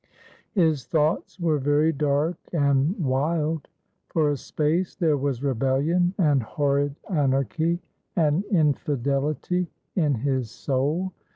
His thoughts were very dark and wild; for a space there was rebellion and horrid anarchy and infidelity in his soul.